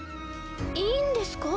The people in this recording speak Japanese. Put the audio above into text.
いいんですか？